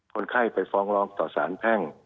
คนไข้ไปฟ้องร้องต่อสารแพ่ง